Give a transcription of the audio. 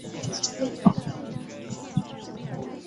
这里仅记录最后一场琦玉公演的节目单。